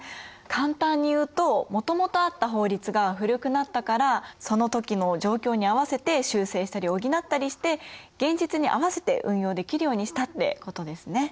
簡単に言うともともとあった法律が古くなったからその時の状況に合わせて修正したり補ったりして現実に合わせて運用できるようにしたってことですね。